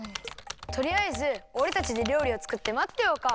とりあえずおれたちでりょうりをつくってまってようか。